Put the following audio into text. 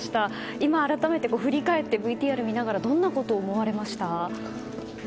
今、改めて振り返ってＶＴＲを見ながらどんなことを思われましたか。